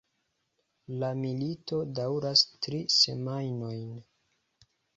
La milito daŭras tri semajnojn.